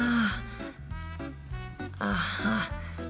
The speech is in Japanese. ああ。